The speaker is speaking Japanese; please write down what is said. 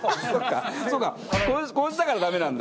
そうかこうしたからダメなんだ。